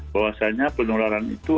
bahwasanya penularan itu